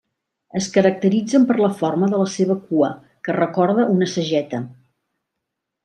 Es caracteritzen per la forma de la seva cua, que recorda una sageta.